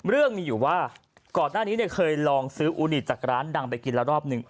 เรื่องมีอยู่ว่าก่อนหน้านี้เนี่ยเคยลองซื้ออูนิตจากร้านดังไปกินละรอบหนึ่ง